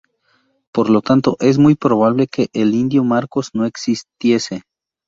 Por lo tanto, es muy probable que el indio Marcos no existiese.